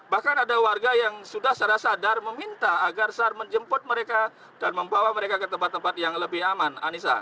bahkan ada warga yang sudah secara sadar meminta agar sar menjemput mereka dan membawa mereka ke tempat tempat yang lebih aman